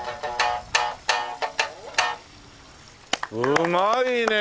うまいね。